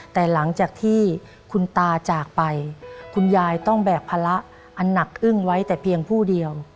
แต่หลังจากที่คุณตาจากไปคุณยายต้องแบกภาระอันหนักอึ้งไว้แต่เพียงผู้เดียว